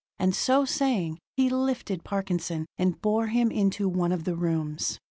And so saying, he lifted Parkinson, and bore him into one of the rooms.